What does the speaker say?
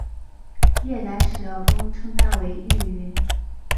越南史料中称她为玉云。